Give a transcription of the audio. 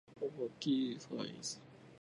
大きいサイズ